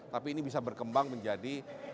tapi ini bisa berkembang menjadi